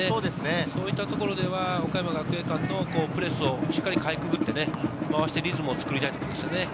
そういったところでは岡山学芸館のプレスをしっかりかいくぐって回してリズムをつくりたいですね。